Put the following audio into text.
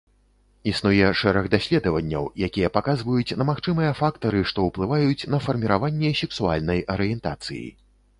Існуе шэраг даследванняў, якія паказваюць на магчымыя фактары, што ўплываюць на фарміраванне сексуальнай арыентацыі.